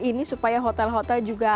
ini supaya hotel hotel juga